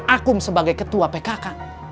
akum sebagai ketua pkk